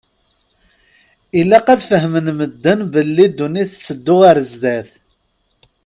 Ilaq ad fehmen medden belli ddunit tetteddu ar zdat.